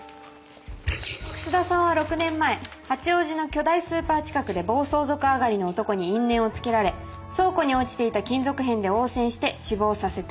楠田さんは６年前八王子の巨大スーパー近くで暴走族上がりの男に因縁をつけられ倉庫に落ちていた金属片で応戦して死亡させた。